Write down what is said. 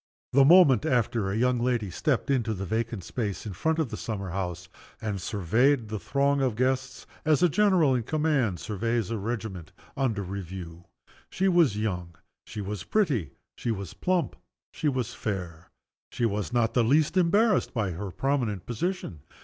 The moment after, a young lady stepped into the vacant space in front of the summer house, and surveyed the throng of guests as a general in command surveys a regiment under review. She was young, she was pretty, she was plump, she was fair. She was not the least embarrassed by her prominent position.